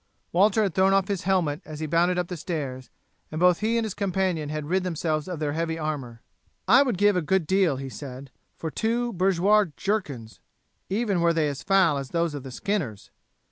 Walter had thrown off his helmet as he bounded up the stairs, and both he and his companion had rid themselves of their heavy armour. "I would give a good deal," he said, "for two bourgeois jerkins, even were they as foul as those of the skinners.